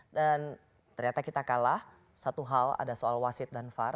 ternyata kita kalah satu hal ada soal wasit dan var